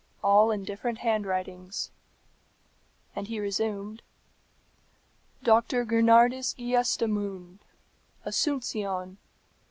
All in different handwritings." And he resumed, "Doctor Gernardus Geestemunde. Asuncion.